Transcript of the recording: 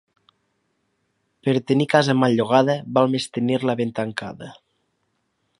Per tenir casa mal llogada, val més tenir-la ben tancada.